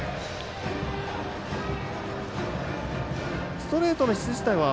ストレートの質自体は？